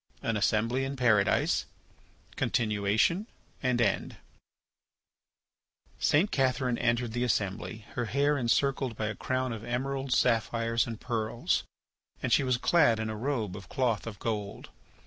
AN ASSEMBLY IN PARADISE (Continuation and End) St. Catherine entered the assembly, her head encircled by a crown of emeralds, sapphires, and pearls, and she was clad in a robe of cloth of gold.